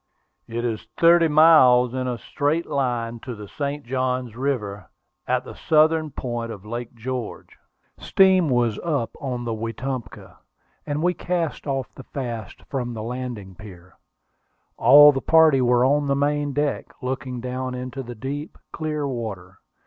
It is thirty miles in a straight line to the St. Johns River, at the southern point of Lake George." Steam was up on the Wetumpka, and we cast off the fasts from the landing pier. All the party were on the main deck, looking down into the deep, clear water.